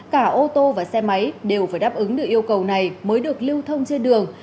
cả ô tô và xe máy đều phải đáp ứng được yêu cầu này mới được lưu thông trên đường